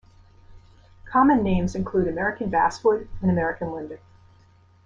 Common names include American basswood and American linden.